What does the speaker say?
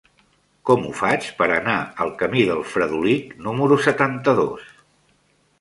Com ho faig per anar al camí del Fredolic número setanta-dos?